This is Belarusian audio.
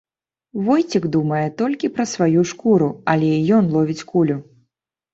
Войцік думае толькі пра сваю шкуру, але і ён ловіць кулю.